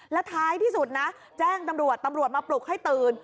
แล้วท้ายที่สุดนะแจ้งตำรวจตำรวจมาปลุกให้ตื่น